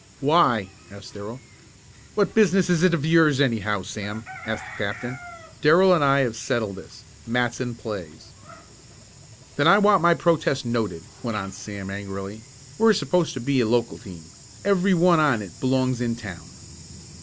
"Why?" asked Darrell. "What business is it of yours, anyhow, Sam?" asked the captain. "Darrell and I have settled this. Matson plays." "Then I want my protest noted!" went on Sam angrily. "We're supposed to be a local team every one on it belongs in town."